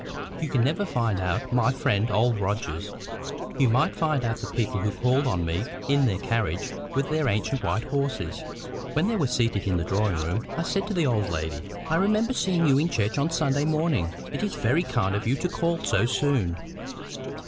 You can never find out my friend Old Rogers; you might find out the people who called on me in their carriage with the ancient white horses. When they were seated in the drawing room, I said to the old lady— "I remember seeing you in church on Sunday morning. It is very kind of you to call so soon."